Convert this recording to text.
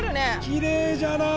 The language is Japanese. きれいじゃな。